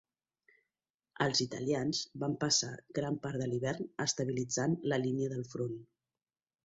Els italians van passar gran part de l'hivern estabilitzant la línia del front.